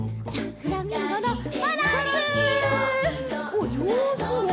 おっじょうず。